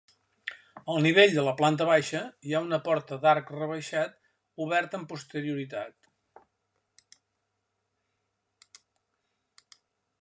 Al nivell de la planta baixa hi ha una porta d'arc rebaixat, oberta amb posterioritat.